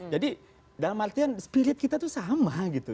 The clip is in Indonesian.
jadi dalam artian spirit kita tuh sama gitu